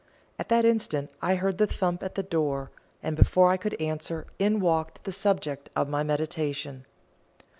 At that instant I heard a thump at the door, and before I could answer, in walked the subject of my meditation.